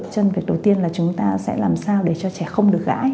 chân việc đầu tiên là chúng ta sẽ làm sao để cho trẻ không được gãi